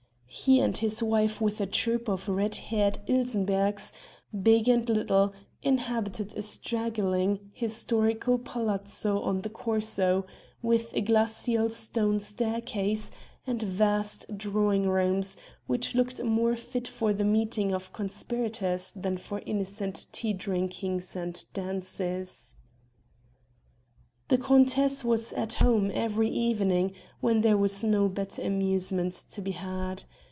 He and his wife with a troup of red haired Ilsenberghs, big and little, inhabited a straggling, historical palazzo on the Corso, with a glacial stone staircase and vast drawing rooms which looked more fit for the meetings of conspirators than for innocent tea drinkings and dances. The countess was "at home" every evening when there was no better amusement to be had.